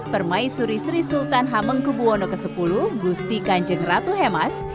permaisuri sri sultan hamengkubuwono x gusti kanjeng ratu hemas